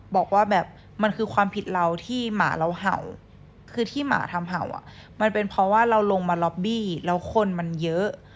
บอกว่าแบบมันคือความผิดเราที่หมาเราเห่าคือที่หมาทำเห่าอ่ะมันเป็นเพราะว่าเราลงมาล็อบบี้แล้วคนมันเยอะ